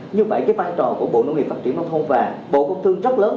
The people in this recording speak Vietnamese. như vậy cái vai trò của bộ nông nghiệp phát triển nông thôn và bộ công thương rất lớn